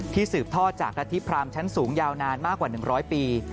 สืบทอดจากรัฐธิพรามชั้นสูงยาวนานมากกว่า๑๐๐ปี